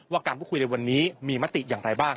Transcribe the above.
การพูดคุยในวันนี้มีมติอย่างไรบ้าง